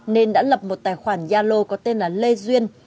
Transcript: nên đã lập một tài khoản gia lô có tên là lê duyên